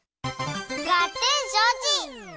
がってんしょうち！